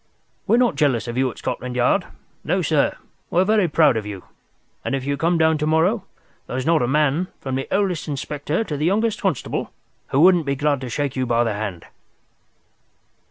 We're not jealous of you at Scotland Yard. No, sir, we are very proud of you, and if you come down to morrow, there's not a man, from the oldest inspector to the youngest constable, who wouldn't be glad to shake you by the hand."